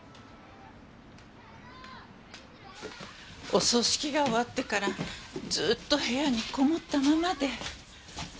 お葬式が終わってからずっと部屋にこもったままで。